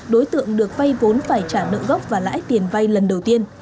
đối tượng được vay vốn phải trả nợ gốc và lãi tiền vay lần đầu tiên